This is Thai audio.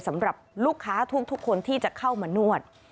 สำหรับลูกค้าทุกคนที่จะเข้ามานวด